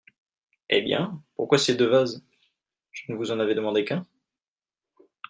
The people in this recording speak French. Eh bien ! pourquoi ces deux vases ? je ne vous en avais demandé qu’un.